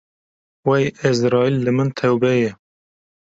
Wey Ezraîl li min tewbe ye